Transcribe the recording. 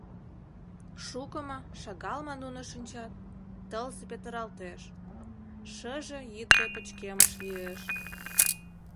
Шуко ма, шагал ма нуно шинчат, тылзе петыралтеш, шыже йӱд гай пычкемыш лиеш.